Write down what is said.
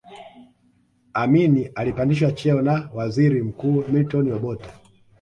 amin alipandishwa cheo na waziri mkuu milton obote